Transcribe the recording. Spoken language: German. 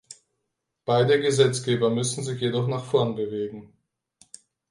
Beide Gesetzgeber müssen sich jedoch nach vorn bewegen.